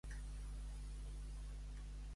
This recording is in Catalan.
En forma de vano.